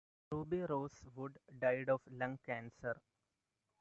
Ruby Ross Wood died of lung cancer.